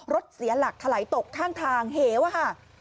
เสียหลักถลายตกข้างทางเหวค่ะ